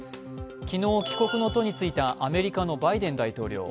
昨日帰国の途についたアメリカのバイデン大統領。